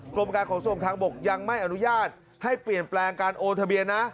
กรมการขนส่งทางบกยังไม่อนุญาตให้เปลี่ยนแปลงการโอนทะเบียนนะ